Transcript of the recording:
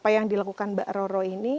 apa yang dilakukan mbak roro ini